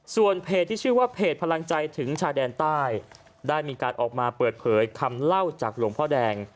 ส่วนเพจที่ชื่อว่าเพจพลังใจถึงชายแดนใต้ได้มีการออกมาเปิดเผยคำเล่าจากหลวงพ่อแดง